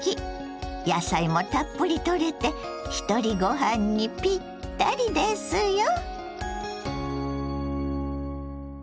野菜もたっぷりとれてひとりごはんにぴったりですよ。